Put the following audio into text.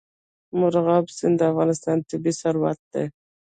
مورغاب سیند د افغانستان طبعي ثروت دی.